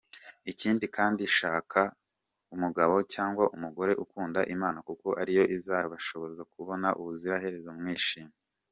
Ikindi kandi shaka umugabo cyangwa umugore ukunda Imana kuko ariyo izabashoboza kubana ubuziraherezo mwishimye.